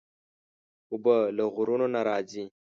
اوبه له غرونو نه راځي.